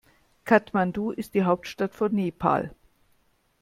Kathmandu ist die Hauptstadt von Nepal.